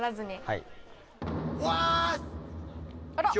はい。